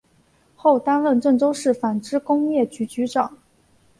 后担任郑州市纺织工业局局长。